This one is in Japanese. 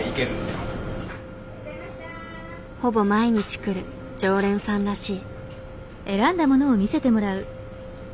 ほぼ毎日来る常連さんらしい。